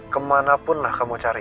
kemanapun lah kamu cari